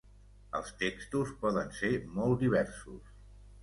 Els textos poden ser molt diversos.